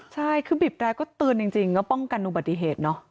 ใช่คือบีบแร้ก็เตือนจริงก็ป้องกันอุบัติเหตุเนอะ